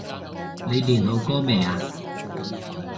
你練好歌未呀？